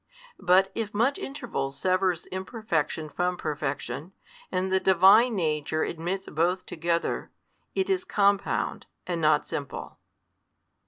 But if much interval severs imperfection from perfection, and the Divine Nature admits both together, It is compound, and not simple.